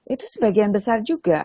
itu sebagian besar juga